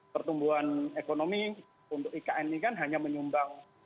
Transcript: pertumbuhan ekonomi untuk ikn ini kan hanya menyumbang